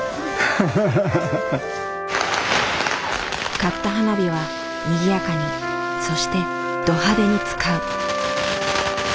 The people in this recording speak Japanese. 買った花火はにぎやかにそしてド派手に使う。